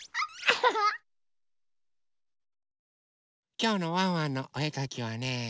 きょうの「ワンワンのおえかき」はね